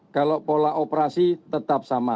kalau pola operasi tetap sama